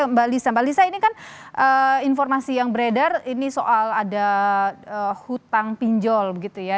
mbak lisa mbak lisa ini kan informasi yang beredar ini soal ada hutang pinjol begitu ya